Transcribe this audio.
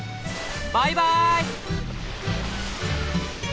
バイバーイ！